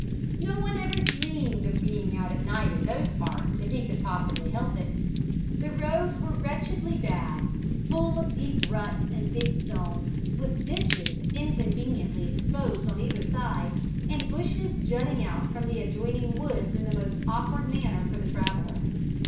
No one ever dreamed of being out at night in those parts if he could possibly help it. The roads were wretchedly bad, full of deep ruts and big stones, with ditches inconveniently exposed on either side, and bushes jutting out from the adjoining woods in the most awkward manner for the traveller.